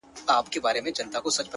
o ستادی .ستادی.ستادی فريادي گلي.